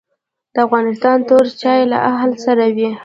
د افغانستان تور چای له هل سره وي